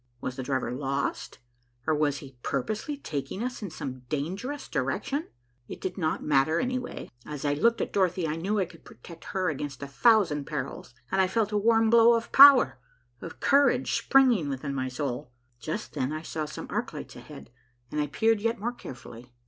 Was the driver lost, or was he purposely taking us in some dangerous direction? It did not matter, anyway. As I looked at Dorothy, I knew I could protect her against a thousand perils, and I felt a warm glow of power, of courage springing within my soul. Just then I saw some arc lights ahead, and I peered yet more carefully.